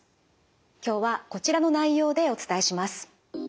今日はこちらの内容でお伝えします。